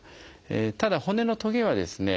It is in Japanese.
ただ骨のトゲはですね